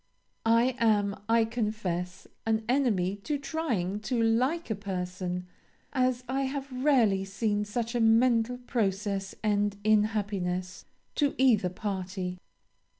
"I am, I confess, an enemy to trying to like a person, as I have rarely seen such a mental process end in happiness to either party.